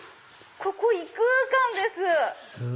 ここ異空間です！